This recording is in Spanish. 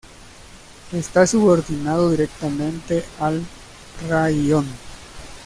Está subordinado directamente al raión.